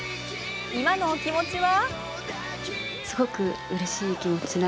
今のお気持ちは？